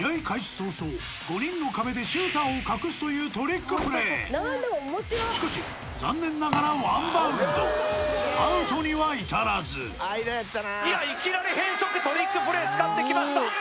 早々５人の壁でシューターを隠すというトリックプレーしかし残念ながらワンバウンドいやいきなり変速トリックプレー使ってきました